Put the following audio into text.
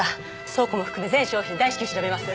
倉庫も含め全商品大至急調べます。